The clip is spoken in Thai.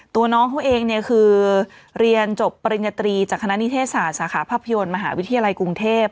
ตัวน้องเขาเองเนี่ยคือเรียนจบปริญญาตรีจากคณะนิเทศศาสตร์สาขาภาพยนตร์มหาวิทยาลัยกรุงเทพ